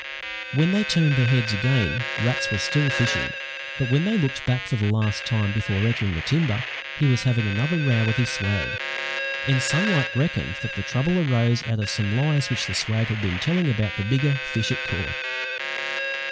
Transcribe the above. When they turned their heads again, Rats was still fishing but when they looked back for the last time before entering the timber, he was having another row with his swag; and Sunlight reckoned that the trouble arose out of some lies which the swag had been telling about the bigger fish it caught.